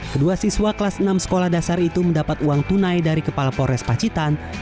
kedua siswa kelas enam sekolah dasar itu mendapat uang tunai dari kepala polres pacitan